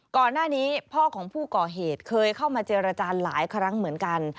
ก่อนหน้านี้พ่อของผู้ก่อเหตุเคยเข้ามาเจรจาหลายครั้งเหมือนกัน